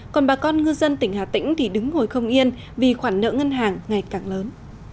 còn bà con ngư dân tỉnh hà tĩnh thì đứng ngồi không yên vì khoản nợ ngân hàng ngày càng lớn